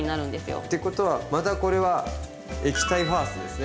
ってことはまたこれは「液体ファースト」ですね。